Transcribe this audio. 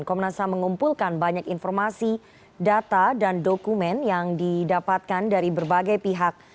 komnas ham mengumpulkan banyak informasi data dan dokumen yang didapatkan dari berbagai pihak